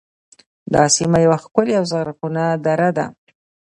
دا سیمه یوه ښکلې او زرغونه دره ده